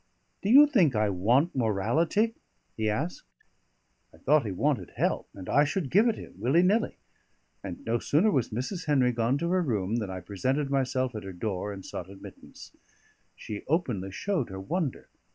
"Do you think I want morality?" he asked. I thought he wanted help, and I should give it him, willy nilly; and no sooner was Mrs. Henry gone to her room than I presented myself at her door and sought admittance. She openly showed her wonder.